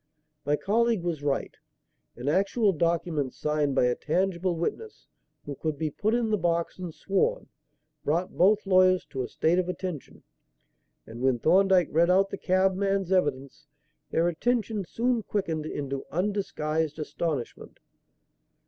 My colleague was right. An actual document, signed by a tangible witness, who could be put in the box and sworn, brought both lawyers to a state of attention; and when Thorndyke read out the cabman's evidence, their attention soon quickened into undisguised astonishment.